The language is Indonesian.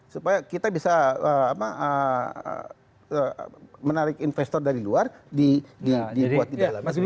supaya kita bisa menarik investor dari luar di buat di dalam